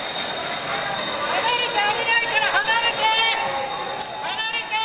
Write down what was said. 離れて、危ないから離れて。